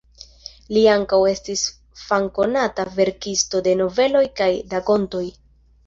Li ankaŭ estis famkonata verkisto de noveloj kaj rakontoj.